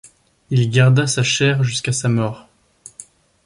Il garda sa chaire jusqu'à sa mort.